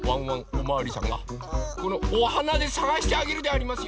おまわりさんがこのおはなでさがしてあげるでありますよ！